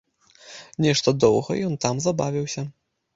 Нешта доўга ён там забавіўся.